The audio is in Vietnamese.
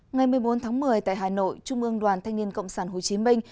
ngày một mươi bốn tháng một mươi tại hà nội trung ương đoàn thanh niên cộng sản hồ chí minh